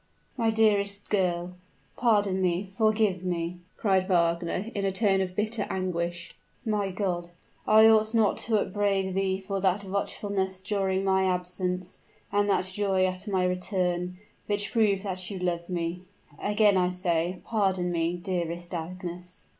"My dearest girl, pardon me, forgive me!" cried Wagner, in a tone of bitter anguish. "My God! I ought not to upbraid thee for that watchfulness during my absence, and that joy at my return, which prove that you love me! Again I say, pardon me, dearest Agnes."